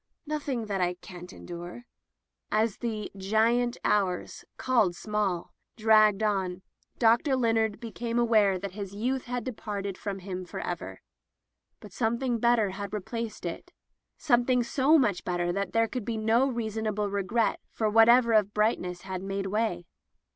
"Nothing that I can't endure." As the giant hours, called small, dragged on. Dr. Leonard became aware that his [ 408 ]. Digitized by LjOOQ IC At Ephesus youth had departed from him forever. But something better had replaced it — ^something so much better that there could be no reason able regret for whatever of brightness had made way.